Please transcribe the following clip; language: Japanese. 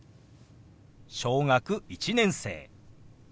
「小学１年生」。